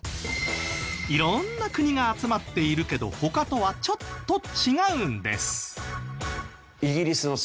色んな国が集まっているけど他とはちょっと違うんです。